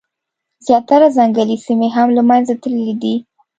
زیاتره ځنګلي سیمي هم له منځه تللي دي.